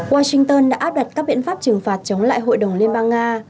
washington đã áp đặt các biện pháp trừng phạt chống lại hội đồng liên bang nga